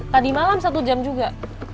tadi malam satu jam juga